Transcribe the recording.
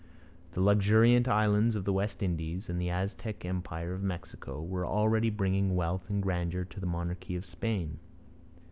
The luxuriant islands of the West Indies, and the Aztec empire of Mexico, were already bringing wealth and grandeur to the monarchy of Spain.